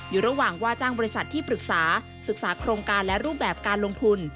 อยู่ระหว่างว่าจ้างบริษัทที่ปรึกษาศึกษาโครงการและรูปแบบการลงทุน